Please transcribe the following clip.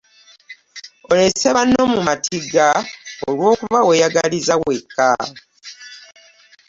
Olese banno mu matigga olw'okuba weeyagaliza wekka.